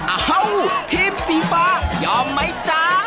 อ้าวทีมสีฟ้ายอมมั้ยจ๊ะ